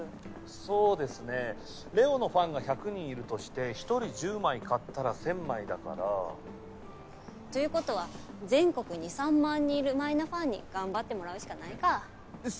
そうですねれおのファンが１００人いるとして１人１０枚買ったら１０００枚だからということは全国に３万人いる舞菜ファンに頑張ってもらうしかないかえっ